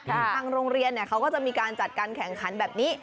ทางโรงเรียนเขาก็จะมีการจัดการแข่งขันแบบนี้